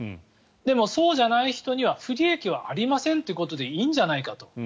でも、そうじゃない人には不利益はありませんということでいいんじゃないかと。